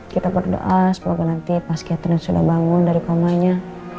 kita berdoa semoga nanti pas catherine sudah bangun dari komanya